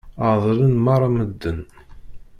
Ɛedlen meṛṛa medden.